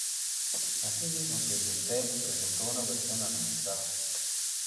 Así mismo Pimentel presentó una versión analizada.